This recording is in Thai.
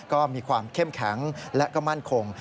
ก็มีความเข้มแข็งและก็มั่นคง